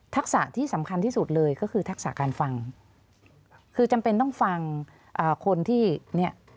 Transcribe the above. ะที่สำคัญที่สุดเลยก็คือทักษะการฟังคือจำเป็นต้องฟังอ่าคนที่เนี่ย